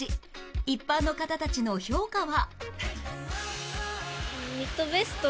一般の方たちの評価は？